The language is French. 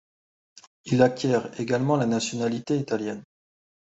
Il acquiert également la nationalité italienne.